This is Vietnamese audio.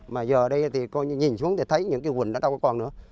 mà giờ ở đây thì coi như nhìn xuống thì thấy những cái quỳnh đó đâu có còn nữa